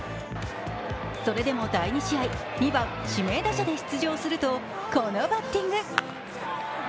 それでも第２試合、２番・指名打者で出場するとこのバッティング。